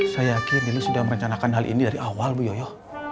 saya yakin lili sudah merencanakan hal ini dari awal bu yoyo